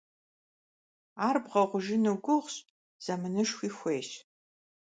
Ар бгъэхъужыну гугъущ, зэманышхуи хуейщ.